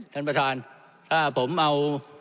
ท่านประธานถ้าผมเอา